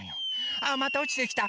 あっまたおちてきた。